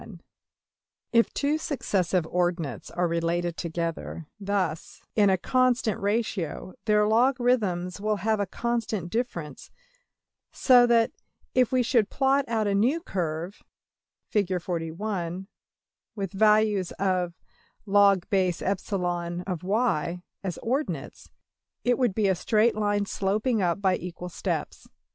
\Figures{167a}{167b} If two successive ordinates are related together thus in a constant ratio, their logarithms will have a constant difference; so that, if we should plot out a new curve, \Fig, with values of~$\log_\epsilon y$ as ordinates, it would be a straight line sloping up by equal steps.